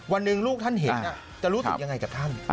วันหนึ่งลูกท่านเห็นจะรู้สึกยังไงกับท่าน